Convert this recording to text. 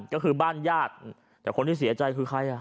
ก็คือบ้านญาติแต่คนที่เสียใจคือใครอ่ะ